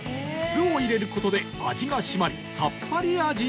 酢を入れる事で味が締まりさっぱり味に